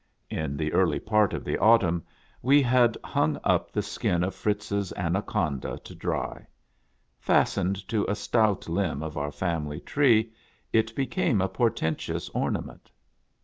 In the early part of the autumn we had hung up the skin of Fritz's Anaconda to dry. Fastened to a stout limb of our family tree, it became a portentous ornament.